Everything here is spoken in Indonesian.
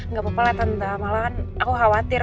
gak apa apa lah tante malahan aku khawatir